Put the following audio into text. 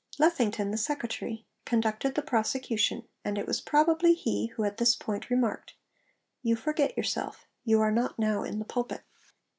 Lethington, the Secretary, conducted the prosecution, and it was probably he who at this point remarked 'You forget yourself: you are not now in the pulpit.'